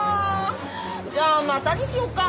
じゃあまたにしようか。